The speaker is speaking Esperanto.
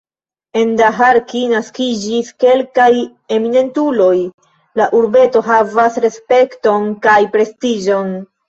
En Daharki naskiĝis kelkaj eminentuloj, la urbeto havas respekton kaj prestiĝon.